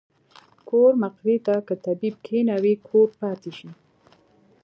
کور مقري ته کۀ طبيب کښېنوې کور پاتې شي